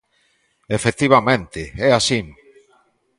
Efectivamente, é así.